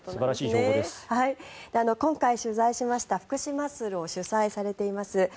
今回、取材しました福島ッスルを主催しています